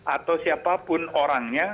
atau siapapun orangnya